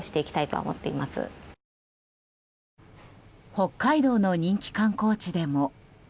北海道の人気観光地でも。